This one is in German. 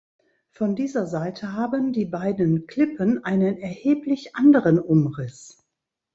Von dieser Seite haben die beiden Klippen einen erheblich anderen Umriss.